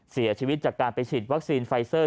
เสียชีวิตจากการไปฉีดวัคซีนไฟเซอร์